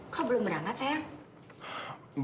kok belum berangkat sayang